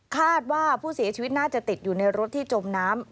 คาดว่าผู้เสียชีวิตน่าจะติดอยู่ในรถที่จมน้ำ